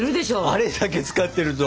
あれだけ使ってると。